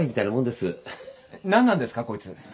何なんですかこいつ。